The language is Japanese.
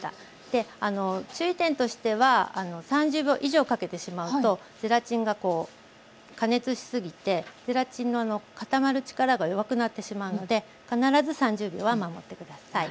であの注意点としては３０秒以上かけてしまうとゼラチンがこう加熱しすぎてゼラチンの固まる力が弱くなってしまうので必ず３０秒は守って下さい。